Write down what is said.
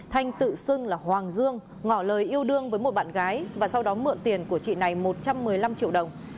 thanh tự xưng là hoàng dương ngỏ lời yêu đương với một bạn gái và sau đó mượn tiền của chị này một trăm một mươi năm triệu đồng